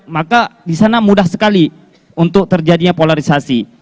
maka di sana mudah sekali untuk terjadinya polarisasi